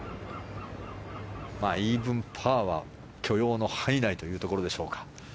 イーブンパーは許容の範囲内というところでしょうか。